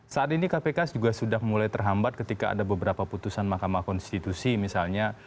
saat ini kpk juga sudah mulai terhambat ketika ada beberapa putusan mahkamah konstitusi misalnya